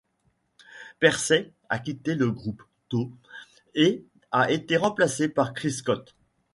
Pursey a quitté le groupe tôt et a été remplacé par Chris Scott.